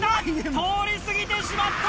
通り過ぎてしまった！